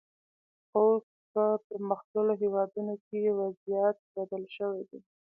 اوس په پرمختللو هېوادونو کې وضعیت بدل شوی دی.